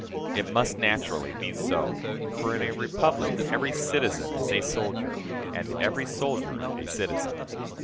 It must naturally be so, for in a republic every citizen is a soldier, and every soldier a citizen.